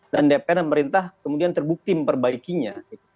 dan dpr dan pemerintah kemudian terbukti perbaikinya